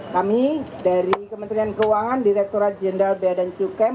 kami dari kementerian keuangan direkturat jenderal bea dan cukai